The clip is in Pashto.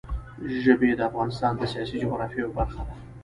ژبې د افغانستان د سیاسي جغرافیه یوه برخه ده.